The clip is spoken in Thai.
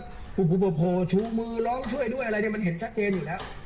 โอ้โหชูมือร้องช่วยด้วยอะไรเนี่ยมันเห็นชัดเจนอยู่แล้ว